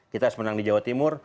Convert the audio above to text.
kita harus menang di jawa timur